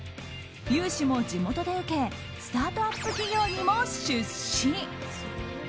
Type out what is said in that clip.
融資も地元で受けスタートアップ企業にも出資。